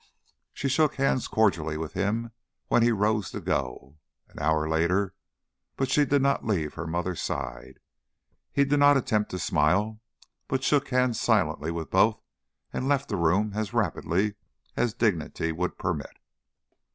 She shook hands cordially with him when he rose to go, an hour later, but she did not leave her mother's side. He did not attempt to smile, but shook hands silently with both and left the room as rapidly as dignity would permit.